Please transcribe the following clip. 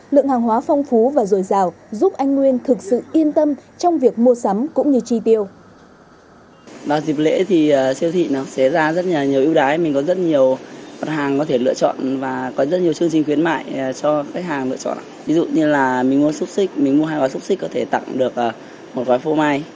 lượng hàng hóa phong phú và dồi dào giúp anh nguyên thực sự yên tâm trong việc mua sắm cũng như chi tiêu